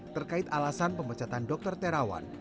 terkait alasan pemecatan dokter terawan